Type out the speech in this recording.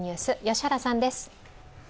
良原さんです。